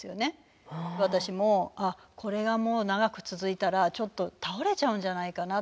私も「あっこれがもう長く続いたらちょっと倒れちゃうんじゃないかな」って